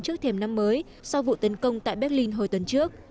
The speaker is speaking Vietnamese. trước thềm năm mới sau vụ tấn công tại berlin hồi tuần trước